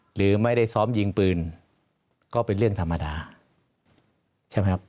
หรือไม่ได้ซ้อมยิงปืนก็เป็นเรื่องธรรมดาใช่ไหมครับ